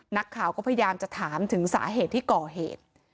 นักข่าวก็พยายามจะถามถึงสาเหตุที่ก่อเหตุ